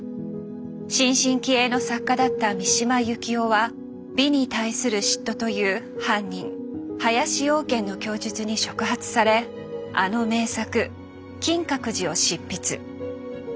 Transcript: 新進気鋭の作家だった三島由紀夫は「美に対する嫉妬」という犯人・林養賢の供述に触発されあの名作「金閣寺」を執筆。